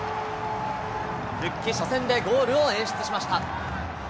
復帰初戦でゴールを演出しました。